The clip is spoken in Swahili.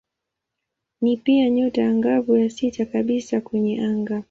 Ni pia nyota angavu ya sita kabisa kwenye anga.